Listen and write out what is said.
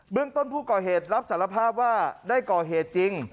ต้นผู้ก่อเหตุรับสารภาพว่าได้ก่อเหตุจริง